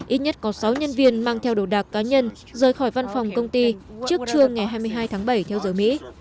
ít nhất có sáu nhân viên mang theo đồ đạc cá nhân rời khỏi văn phòng công ty trước trưa ngày hai mươi hai tháng bảy theo giờ mỹ